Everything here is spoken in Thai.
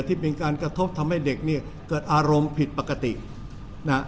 ที่เป็นการกระทบทำให้เด็กเนี่ยเกิดอารมณ์ผิดปกตินะฮะ